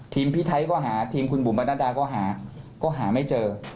พี่ไทยก็หาทีมคุณบุ๋มประนัดดาก็หาก็หาไม่เจอ